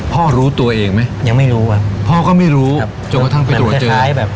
พ่อรู้ตัวเองมั้ยพ่อก็ไม่รู้จนกระทั่งไปตรวจเจอ